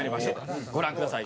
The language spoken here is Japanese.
ご覧ください。